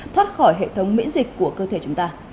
thoát khỏi hệ thống miễn dịch của cơ thể chúng ta